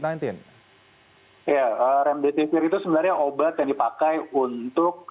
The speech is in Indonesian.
ya remdesivir itu sebenarnya obat yang dipakai untuk